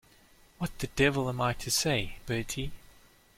What the devil am I to say, Bertie?